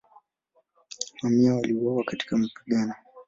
Mamia waliuawa katika mapigano.